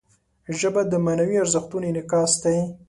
ژبه د معنوي ارزښتونو انعکاس دی